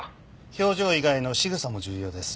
表情以外のしぐさも重要です。